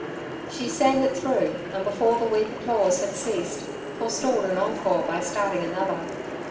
She sang it through, and before the weak applause had ceased, forestalled an encore by starting another.